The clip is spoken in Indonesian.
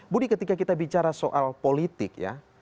budi ketika kita bicara soal politik ya